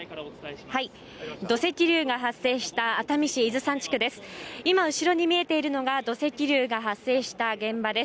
土石流が発生した熱海市伊豆山地区です。